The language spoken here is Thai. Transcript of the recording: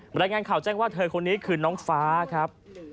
รายงานข่าวแจ้งว่าเธอคนนี้คือน้องฟ้าครับ